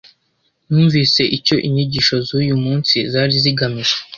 Numvise icyo inyigisho z’uyu munsi zari zigamije